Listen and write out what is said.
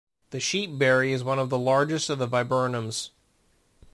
The sheepberry is one of the largest of the viburnums.